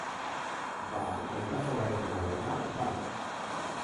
Ba, metaforaren arabera, bai.